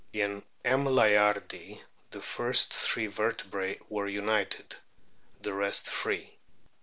In M. layardi the first three vertebrae were united, the rest free.